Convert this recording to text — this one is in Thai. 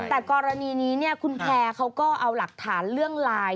แต่กรณีนี้คุณแพร่เขาก็เอาหลักฐานเรื่องไลน์